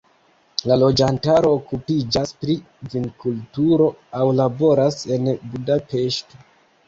La loĝantaro okupiĝas pri vinkulturo aŭ laboras en Budapeŝto.